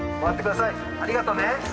ありがとね。